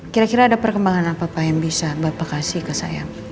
kira kira ada perkembangan apa pak yang bisa bapak kasih ke saya